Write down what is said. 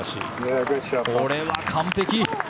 これは完璧！